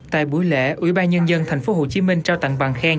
tại buổi lễ ủy ban nhân dân thành phố hồ chí minh trao tặng bằng khen